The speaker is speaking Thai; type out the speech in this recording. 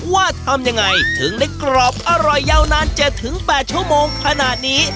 ว่าทำยังไงถึงได้กรอบอร่อยยาวนาน๗๘ชั่วโมงขนาดนี้